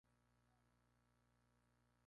Nombrado ciudadano ilustre del Partido de Morón.